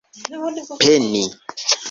peni